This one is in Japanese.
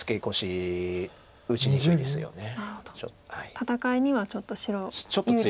戦いにはちょっと白有利に。